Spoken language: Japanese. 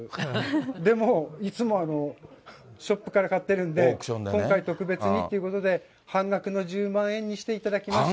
でも、いつもショップから買ってるんで、今回特別にっていうことで、半額の１０万円にしていただきました。